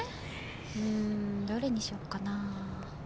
うんどれにしようかな？